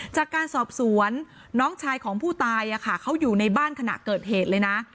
จากการสอบสวนน้องชายของผู้ตายเขาอยู่ในบ้านขณะเกิดเหตุเลยนะ